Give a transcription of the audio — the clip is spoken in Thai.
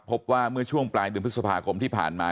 พบว่าเมื่อช่วงปลายเดือนพฤษภาคมที่ผ่านมา